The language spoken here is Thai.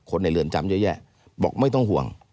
ในเรือนจำเยอะแยะบอกไม่ต้องห่วง